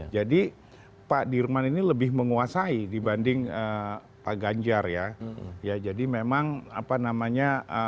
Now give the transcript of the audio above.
jadi pak dirman ini lebih menguasai dibanding pak ganjar ya jadi memang apa namanya